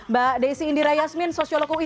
mbak desi indira yasmin sosiolog ui